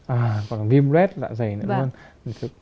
à còn là viêm red dạ dày nữa đúng không ạ